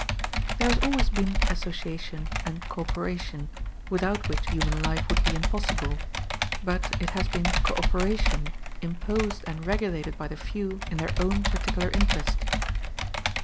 There has always been association and co operation, without which human life would be impossible; but it has been co operation imposed and regulated by the few in their own particular interest.